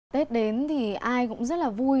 tết đến thì ai cũng rất là vui